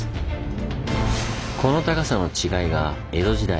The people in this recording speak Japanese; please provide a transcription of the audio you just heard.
この高さの違いが江戸時代